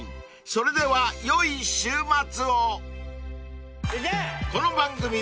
［それでは良い週末を］